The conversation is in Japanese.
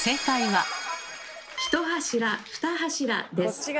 １柱２柱です。